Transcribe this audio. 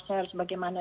saya harus bagaimana